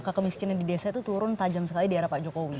kekemiskinan di desa itu turun tajam sekali di daerah pak jokowi